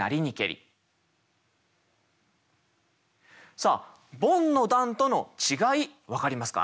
さあボンの段との違い分かりますか？